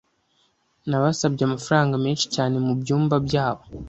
Nabasabye amafaranga menshi cyane mubyumba byabo.